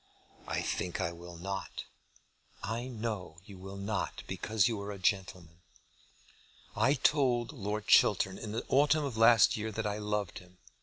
"I think I will not." "I know you will not, because you are a gentleman. I told Lord Chiltern in the autumn of last year that I loved him.